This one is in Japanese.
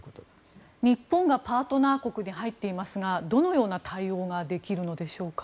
日本がパートナー国に入っていますがどのような対応ができるのでしょうか。